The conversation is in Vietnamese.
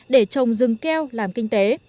để trồng rừng keo làm kinh tế